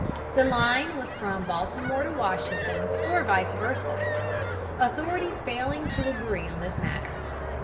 The line was from Baltimore to Washington, or vice versa, authorities failing to agree on this matter.